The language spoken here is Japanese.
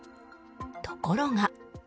ところが。